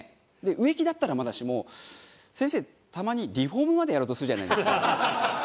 植木だったらまだしも先生たまにリフォームまでやろうとするじゃないですか。